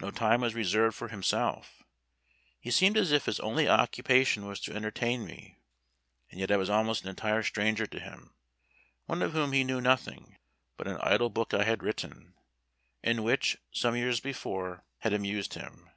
No time was reserved for himself; he seemed as if his only occupation was to entertain me; and yet I was almost an entire stranger to him, one of whom he knew nothing, but an idle book I had written, and which, some years before, had amused him.